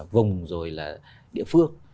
vùng rồi là địa phương